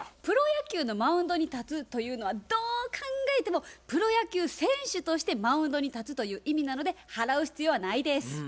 プロ野球のマウンドに立つというのはどう考えてもプロ野球選手としてマウンドに立つという意味なので払う必要はないです。